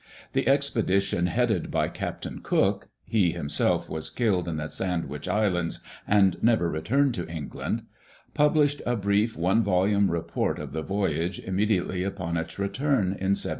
The expedition headed by Captain Cook — he himself was killed at the Sandwich Islands, and never returned to England — published a brief one volume report of the voyage immediately upon its return in 1780.